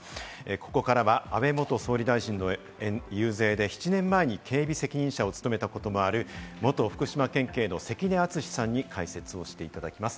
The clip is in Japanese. ここからは安倍元総理大臣の遊説で７年前に警備責任者を務めたこともある、元福島県警の関根篤志さんに解説をしていただきます。